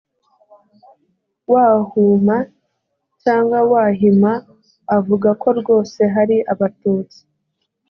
wahuma cyangwa wahima avuga ko rwose hari abatutsi